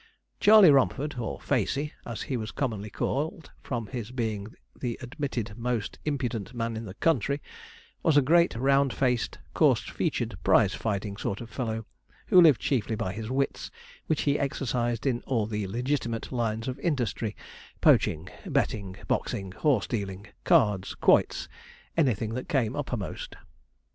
Charley Romford, or Facey, as he was commonly called, from his being the admitted most impudent man in the country, was a great, round faced, coarse featured, prize fighting sort of fellow, who lived chiefly by his wits, which he exercised in all the legitimate lines of industry poaching, betting, boxing, horse dealing, cards, quoits anything that came uppermost.